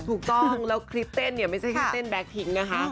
ถูกต้องแล้วคลิปเต้นเนี่ยไม่ใช่แค่เต้นแก๊กทิ้งนะคะ